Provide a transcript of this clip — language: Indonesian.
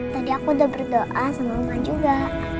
tadi aku udah berdoa sama mama juga